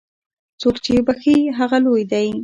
څوک چې بخښي، هغه لوی دی.